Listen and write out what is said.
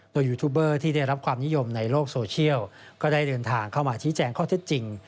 โดยยูทูบเบอร์ที่ได้รับความนิยมในโลกโซเชียลก็ได้เดินทางเข้ามาชี้แจงข้อเท็จจริง